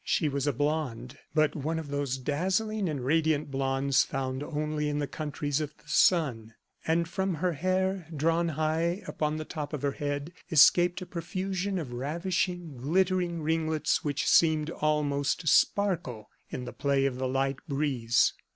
She was a blonde, but one of those dazzling and radiant blondes found only in the countries of the sun; and from her hair, drawn high upon the top of her head, escaped a profusion of ravishing, glittering ringlets, which seemed almost to sparkle in the play of the light breeze.